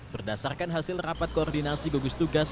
berdasarkan hasil rapat koordinasi gugus tugas